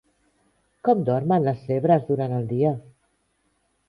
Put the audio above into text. Com dormen les zebres durant el dia?